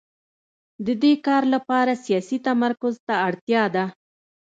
د دې کار لپاره سیاسي تمرکز ته اړتیا ده.